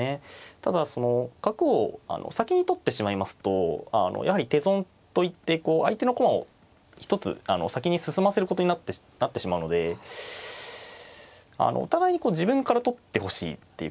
ただ角を先に取ってしまいますとやはり手損といって相手の駒を一つ先に進ませることになってしまうのでお互いに自分から取ってほしいっていう感じなんですよね。